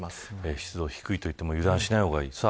湿度が低いといっても油断しない方がいい。